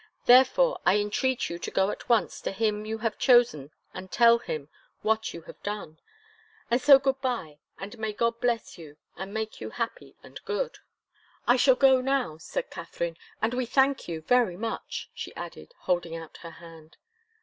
Therefore, I entreat you to go at once to him you have chosen and tell him what you have done. And so good bye, and may God bless you and make you happy and good." "I shall go now," said Katharine. "And we thank you very much," she added, holding out her hand.